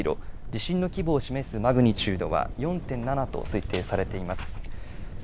地震の規模を示すマグニチュードは、４．７と推定されています。